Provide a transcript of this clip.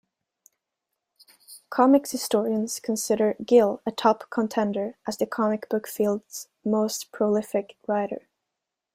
Comics historians consider Gill a top contender as the comic-book field's most prolific writer.